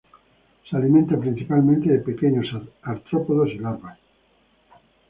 Se alimenta principalmente de pequeños artrópodos y larvas.